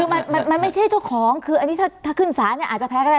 คือมันไม่ใช่เจ้าของคืออันนี้ถ้าขึ้นศาลเนี่ยอาจจะแพ้ก็ได้